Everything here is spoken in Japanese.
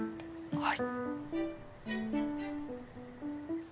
はい！